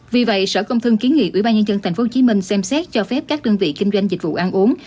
vì vậy sở công thương kiến nghị ubnd tp hcm xem xét cho phép các đơn vị kinh doanh dịch vụ ăn uống